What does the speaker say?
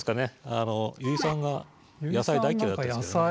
あの油井さんが野菜大嫌いだったですけどね。